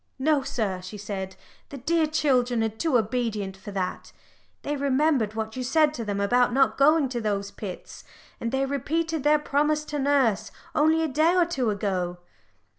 "No, sir," she said, "the dear children are too obedient for that. They remembered what you said to them about not going to those pits, and they repeated their promise to nurse only a day or two ago."